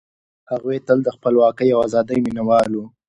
هغوی تل د خپلواکۍ او ازادۍ مينه وال وو.